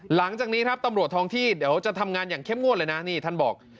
หลังจากนี้ครับตำรวจทองที่เดี๋ยวจะทำงานอย่างเข้มงวดเลยนะนี่ท่านบอก